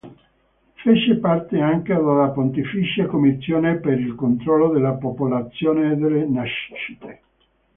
Fece parte anche della Pontificia commissione per il controllo della popolazione e delle nascite.